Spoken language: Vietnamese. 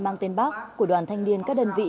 mang tên bác của đoàn thanh niên các đơn vị